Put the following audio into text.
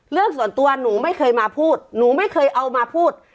เรื่องส่วนตัวหนูไม่เคยมาพูดหนูไม่เคยเอามาพูด